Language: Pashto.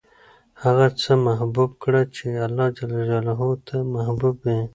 هغه څه محبوب کړه چې اللهﷻ ته محبوب وي.